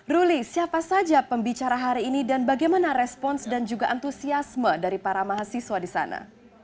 ruli siapa saja pembicara hari ini dan bagaimana respons dan juga antusiasme dari para mahasiswa di sana